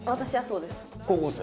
高校生？